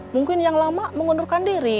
mungkin yang lama mengundurkan diri